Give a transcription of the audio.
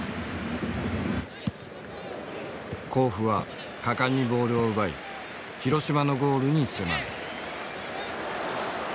甲府は果敢にボールを奪い広島のゴールに迫る。